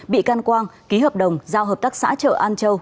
bị can quang ký hợp đồng giao hợp tác xã chợ an châu